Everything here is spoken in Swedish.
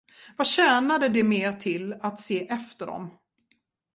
Vad tjänade det mer till att se efter dem?